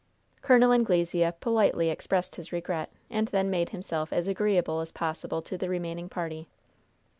Col. Anglesea politely expressed his regret, and then made himself as agreeable as possible to the remaining party.